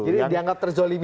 jadi dianggap terzolimi